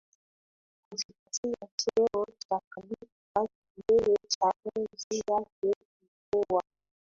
kujipatia cheo cha khalifa Kilele cha enzi yake ilikuwa